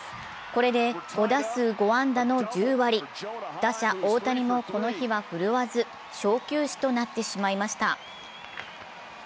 これで５打数５安打の１０割、打者大谷もこの日は振るわず小休止となってしまいました。